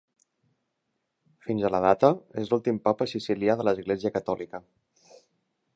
Fins a la data, és l'últim papa sicilià de l'Església Catòlica.